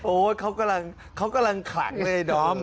โอ้เค้ากำลังคลักเลยดอม